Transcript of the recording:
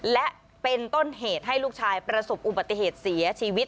และเป็นต้นเหตุให้ลูกชายประสบอุบัติเหตุเสียชีวิต